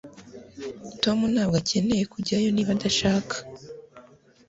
Tom ntabwo akeneye kujyayo niba adashaka